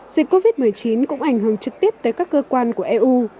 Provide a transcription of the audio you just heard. dịch covid một mươi chín cũng ảnh hưởng trực tiếp tới các cơ quan của eu